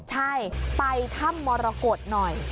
ใช่ไปถ้ำมรกฏหน่อย